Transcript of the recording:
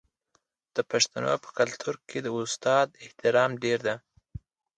د پښتنو په کلتور کې د استاد احترام ډیر دی.